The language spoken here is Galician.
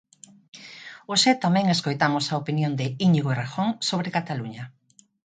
Hoxe tamén escoitamos a opinión de Íñigo Errejón sobre Cataluña.